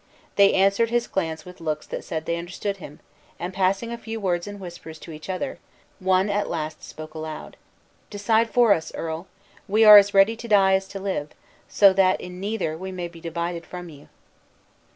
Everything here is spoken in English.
They answered his glance with looks that said they understood him: and passing a few words in whispers to each other, one at last spoke aloud: "Decide for us, earl. We are as ready to die as to live; so that in neither we may be divided from you."